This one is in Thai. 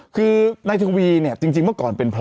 คือนายทวีเนี่ยจริงเมื่อก่อนเป็นพระ